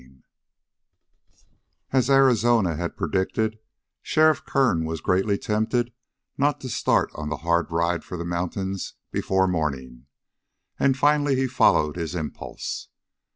30 As Arizona had predicted, Sheriff Kern was greatly tempted not to start on the hard ride for the mountains before morning, and finally he followed his impulse.